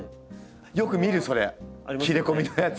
よく見るそれ切れ込みのやつ！